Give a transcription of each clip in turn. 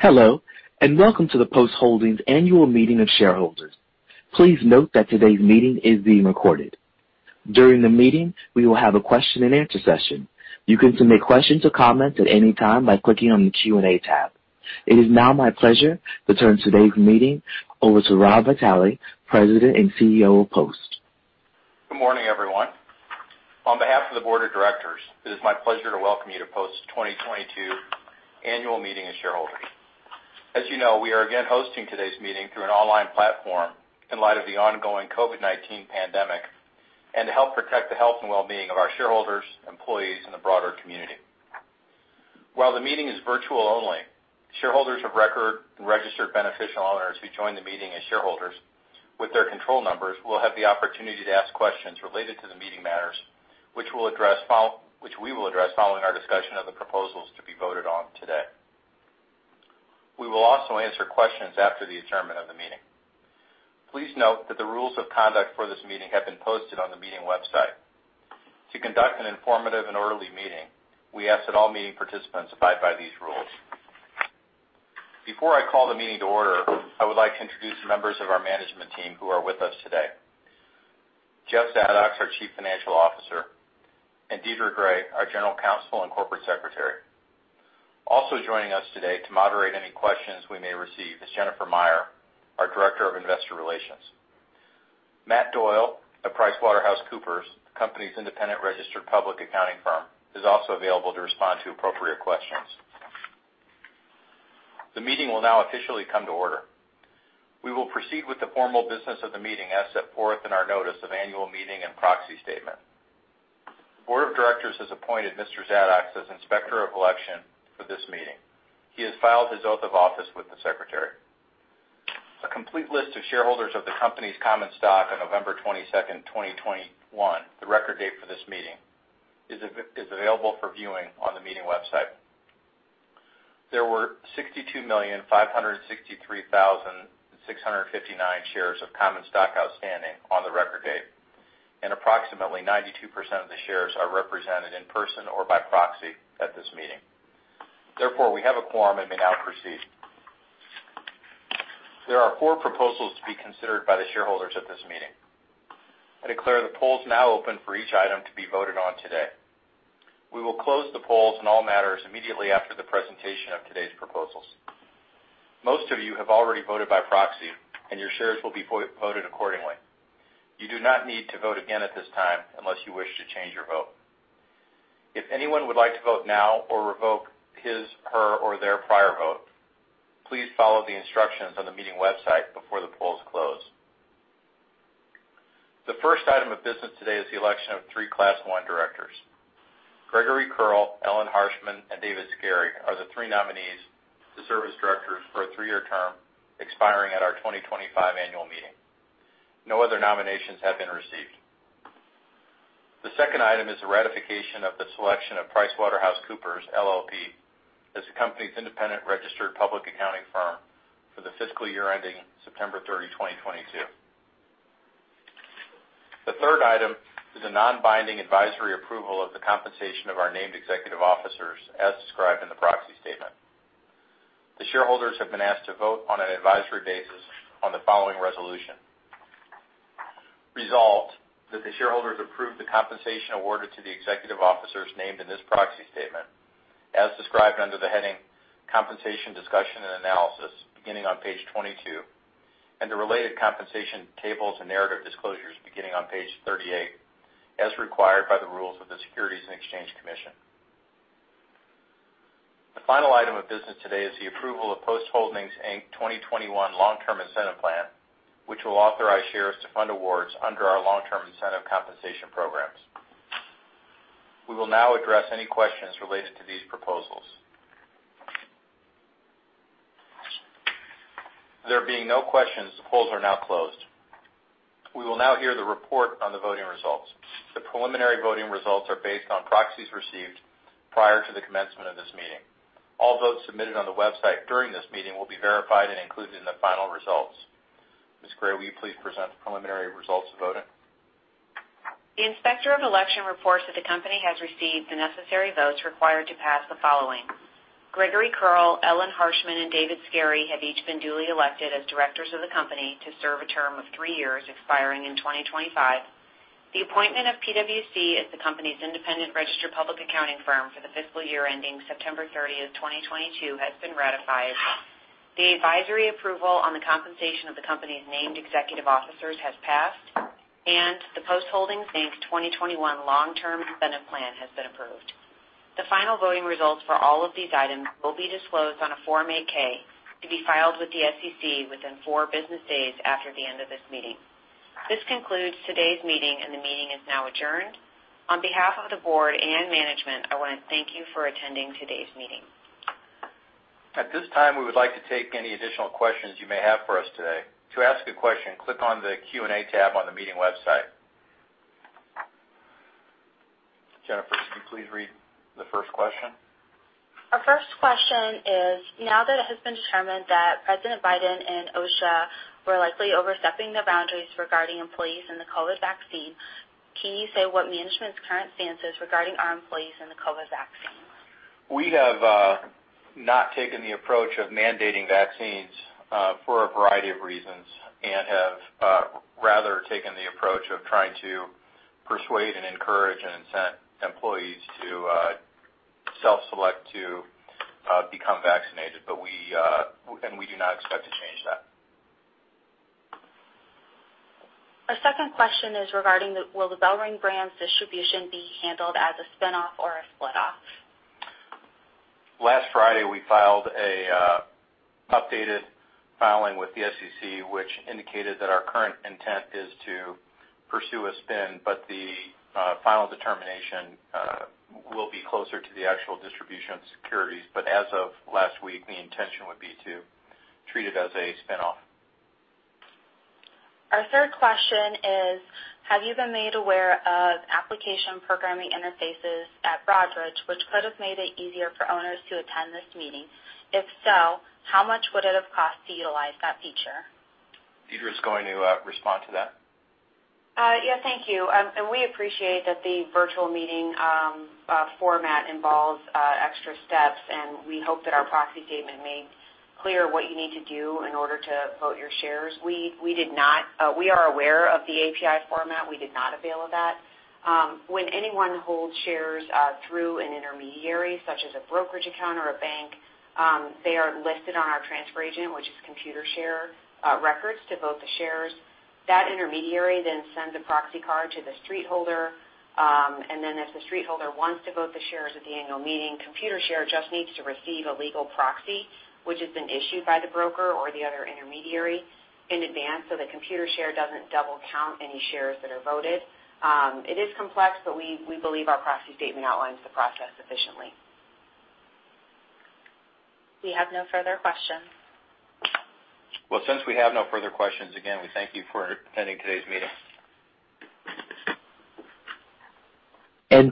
Hello, and welcome to the Post Holdings Annual Meeting of Shareholders. Please note that today's meeting is being recorded. During the meeting, we will have a question and answer session. You can submit questions or comments at any time by clicking on the Q&A tab. It is now my pleasure to turn today's meeting over to Rob Vitale, President and CEO of Post. Good morning, everyone. On behalf of the Board of Directors, it is my pleasure to welcome you to Post's 2022 Annual Meeting of Shareholders. As you know, we are again hosting today's meeting through an online platform in light of the ongoing COVID-19 pandemic and to help protect the health and well-being of our shareholders, employees, and the broader community. While the meeting is virtual only, shareholders of record and registered beneficial owners who join the meeting as shareholders with their control numbers will have the opportunity to ask questions related to the meeting matters, which we will address following our discussion of the proposals to be voted on today. We will also answer questions after the adjournment of the meeting. Please note that the rules of conduct for this meeting have been posted on the meeting website. To conduct an informative and orderly meeting, we ask that all meeting participants abide by these rules. Before I call the meeting to order, I would like to introduce members of our management team who are with us today. Jeff Zadoks, our Chief Financial Officer, and Diedre Gray, our General Counsel and Corporate Secretary. Also joining us today to moderate any questions we may receive is Jennifer Meyer, our Director of Investor Relations. Matt Doyle of PricewaterhouseCoopers, the company's independent registered public accounting firm, is also available to respond to appropriate questions. The meeting will now officially come to order. We will proceed with the formal business of the meeting as set forth in our notice of annual meeting and proxy statement. The Board of Directors has appointed Mr. Zadoks as Inspector of Election for this meeting. He has filed his oath of office with the secretary. A complete list of shareholders of the company's common stock on November 22, 2021, the record date for this meeting, is available for viewing on the meeting website. There were 62,563,659 shares of common stock outstanding on the record date, and approximately 92% of the shares are represented in person or by proxy at this meeting. Therefore, we have a quorum and may now proceed. There are 4 proposals to be considered by the shareholders at this meeting. I declare the polls now open for each item to be voted on today. We will close the polls on all matters immediately after the presentation of today's proposals. Most of you have already voted by proxy, and your shares will be voted accordingly. You do not need to vote again at this time unless you wish to change your vote. If anyone would like to vote now or revoke his, her, or their prior vote, please follow the instructions on the meeting website before the polls close. The first item of business today is the election of three Class One directors. Gregory Curl, Ellen Harshman, and David Skarie are the three nominees to serve as directors for a three-year term expiring at our 2025 annual meeting. No other nominations have been received. The second item is the ratification of the selection of PricewaterhouseCoopers LLP as the company's independent registered public accounting firm for the fiscal year ending September 30, 2022. The third item is a non-binding advisory approval of the compensation of our named executive officers, as described in the proxy statement. The shareholders have been asked to vote on an advisory basis on the following resolution. Resolved, that the shareholders approve the compensation awarded to the executive officers named in this proxy statement, as described under the heading Compensation Discussion and Analysis, beginning on page 22, and the related compensation tables and narrative disclosures beginning on page 38, as required by the rules of the Securities and Exchange Commission. The final item of business today is the approval of Post Holdings, Inc. 2021 Long-Term Incentive Plan, which will authorize shares to fund awards under our long-term incentive compensation programs. We will now address any questions related to these proposals. There being no questions, the polls are now closed. We will now hear the report on the voting results. The preliminary voting results are based on proxies received prior to the commencement of this meeting. All votes submitted on the website during this meeting will be verified and included in the final results. Ms. Gray, will you please present the preliminary results of voting? The Inspector of Election reports that the company has received the necessary votes required to pass the following: Gregory Curl, Ellen Harshman, and David Skarie have each been duly elected as directors of the company to serve a term of three years, expiring in 2025. The appointment of PwC as the company's independent registered public accounting firm for the fiscal year ending September 30, 2022, has been ratified. The advisory approval on the compensation of the company's named executive officers has passed, and the Post Holdings, Inc. 2021 Long-Term Incentive Plan has been approved. The final voting results for all of these items will be disclosed on a Form 8-K to be filed with the SEC within four business days after the end of this meeting. This concludes today's meeting, and the meeting is now adjourned. On behalf of the board and management, I want to thank you for attending today's meeting. At this time, we would like to take any additional questions you may have for us today. To ask a question, click on the Q&A tab on the meeting website. Jennifer, can you please read the first question? Our first question is: Now that it has been determined that President Biden and OSHA were likely overstepping their boundaries regarding employees and the COVID vaccine, can you say what management's current stance is regarding our employees and the COVID vaccine? We have not taken the approach of mandating vaccines for a variety of reasons, and have rather taken the approach of trying to persuade and encourage and incent employees to self-select to become vaccinated. But we do not expect to change that. A second question is regarding the, will the BellRing Brands distribution be handled as a spin-off or a split-off? Last Friday, we filed an updated filing with the SEC, which indicated that our current intent is to pursue a spin, but the final determination will be closer to the actual distribution of securities. But as of last week, the intention would be to treat it as a spin-off. Our third question is, have you been made aware of application programming interfaces at Broadridge, which could have made it easier for owners to attend this meeting? If so, how much would it have cost to utilize that feature? Diedre is going to respond to that. Yeah, thank you. We appreciate that the virtual meeting format involves extra steps, and we hope that our proxy statement made clear what you need to do in order to vote your shares. We are aware of the API format. We did not avail of that. When anyone holds shares through an intermediary, such as a brokerage account or a bank, they are listed on our transfer agent, which is Computershare records, to vote the shares. That intermediary then sends a proxy card to the street holder, and then if the street holder wants to vote the shares at the annual meeting, Computershare just needs to receive a legal proxy, which has been issued by the broker or the other intermediary in advance, so that Computershare doesn't double count any shares that are voted. It is complex, but we believe our proxy statement outlines the process sufficiently. We have no further questions. Well, since we have no further questions, again, we thank you for attending today's meeting.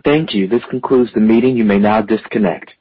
Thank you. This concludes the meeting. You may now disconnect.